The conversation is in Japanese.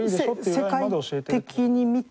世界的に見て